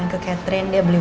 selesai permisi dulu ya